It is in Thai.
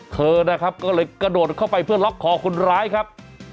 เธอนะครับก็เลยกระโดดเข้าไปเพื่อล็อกคอคนร้ายครับ